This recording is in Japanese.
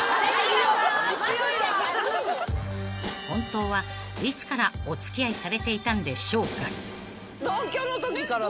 ［本当はいつからお付き合いされていたんでしょうか］